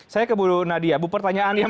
saya ke bu nadia bu pertanyaan ini